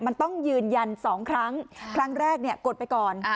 มันต้องยืนยัน๒ครั้งครั้งแรกเนี่ยกดไปก่อน